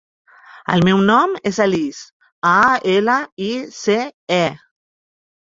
El meu nom és Alice: a, ela, i, ce, e.